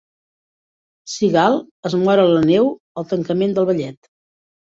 Cigale es mor a la neu al tancament del ballet.